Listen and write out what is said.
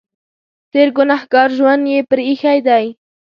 تېر ګنهګار ژوند یې پرې اېښی دی.